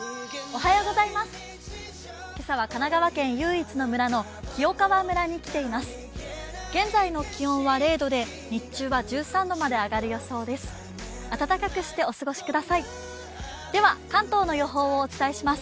今朝は神奈川県唯一の村の清川村に来ています。